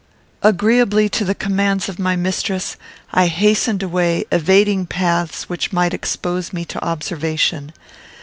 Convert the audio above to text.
Agreeably to the commands of my mistress, I hastened away, evading paths which might expose me to observation.